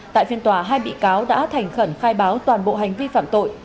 tại phiên tòa hai bị cáo đã thành khẩn khai báo toàn bộ hành vi phạm tội